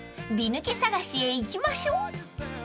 ［美抜け探しへ行きましょう］